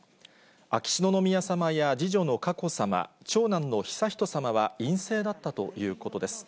秋篠宮さまや次女の佳子さま、長男の悠仁さまは陰性だったということです。